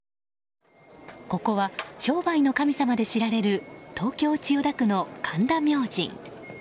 ここは商売の神様で知られる東京・千代田区の神田明神。